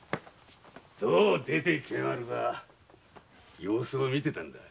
どう出てきやがるか様子を見てたんだ。